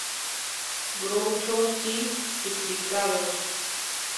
Groucho: Sí, duplicados.